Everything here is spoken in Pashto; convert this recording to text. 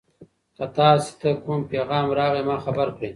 که تاسي ته کوم پیغام راغی ما خبر کړئ.